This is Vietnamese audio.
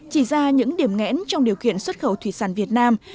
chỉ ra những điểm ngẽn trong điều kiện xuất khẩu thủy sản việt nam